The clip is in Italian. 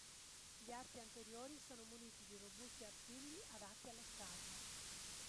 Gli arti anteriori sono muniti di robusti artigli adatti allo scavo.